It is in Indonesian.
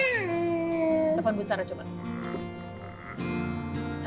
telepon bu sarah coba